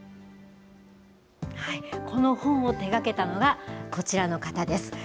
この本を手がけたのが、こちらの方です。